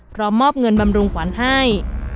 มอบเงินบำรุงขวัญให้